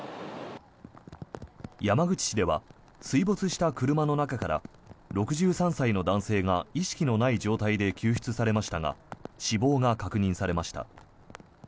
山口市では水没した車の中から６３歳の男性が意識のない状態で救出されましたが死亡が確認されました。